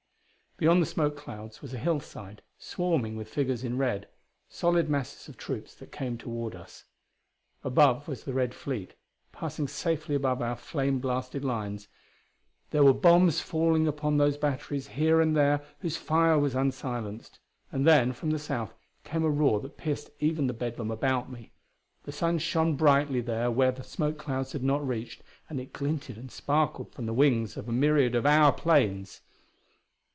Beyond the smoke clouds was a hillside, swarming with figures in red; solid masses of troops that came toward us. Above was the red fleet, passing safely above our flame blasted lines; there were bombs falling upon those batteries here and there whose fire was unsilenced. And then, from the south, came a roar that pierced even the bedlam about me. The sun shone brightly there where the smoke clouds had not reached, and it glinted and sparkled from the wings of a myriad of our planes.